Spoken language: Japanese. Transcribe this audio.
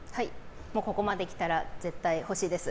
ここまで来たら絶対欲しいです。